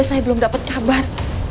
saya belum dapet kabar